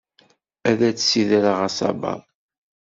Ad d-ssidreɣ asaber.